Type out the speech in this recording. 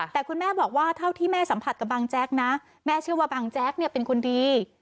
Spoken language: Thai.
แต่คุณแม่บอกว่าเท่าที่แม่สัมผัสกับบางแจ๊กนะแม่เชื่อว่าบังแจ๊กเนี่ยเป็นคนดี